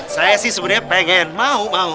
saya sih sebenarnya pengen mau mau